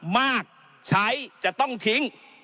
มากใช้จะต้องทิ้ง